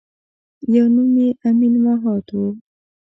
یوه نوم یې امین مهات وه.